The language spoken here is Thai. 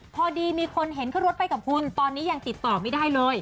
พอดีมีคนเห็นขึ้นรถไปกับคุณตอนนี้ยังติดต่อไม่ได้เลย